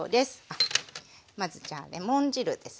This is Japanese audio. あっまずじゃあレモン汁ですね。